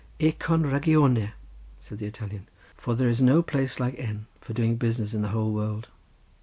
"E con ragione," said the Italian, "for there is no place like N. for doing business in the whole world.